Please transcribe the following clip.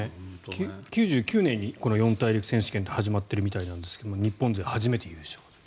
９９年にこの四大陸選手権って始まっているみたいですが日本勢初めて優勝。